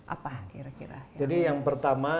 apa kira kira jadi yang pertama